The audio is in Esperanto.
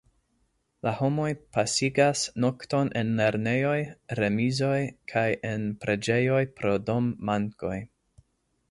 La homoj pasigas nokton en lernejoj, remizoj kaj en preĝejoj pro dom-mankoj.